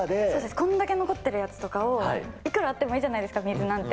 こんだけ残ってるやつとかを、いくらあってもいいじゃないですか、水なんて。